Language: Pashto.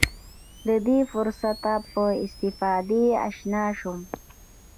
له دې فرصته په استفادې اشنا شم.